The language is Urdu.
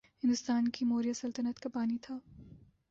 ہندوستان کی موریا سلطنت کا بانی تھا